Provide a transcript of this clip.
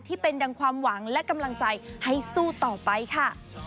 ดังความหวังและกำลังใจให้สู้ต่อไปค่ะ